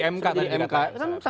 seperti di mk kan